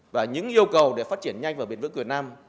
và những yêu cầu để phát triển nhanh và bền vững của việt nam